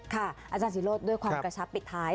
อาจารย์ศิโรธด้วยความกระชับปิดท้าย